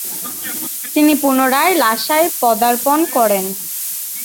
তিনি পুনরায় লাসায় পদার্পণ করেন।